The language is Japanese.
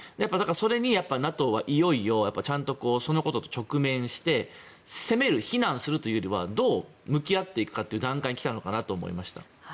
それにＮＡＴＯはいよいよちゃんとそのことにＮＡＴＯは直面して責める、非難するというよりどう向き合っていくかという段階に来たのかなと思いました。